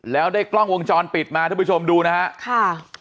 แล้วได้กล้องวงจรปิดมาท่านผู้ชมดูนะฮะค่ะ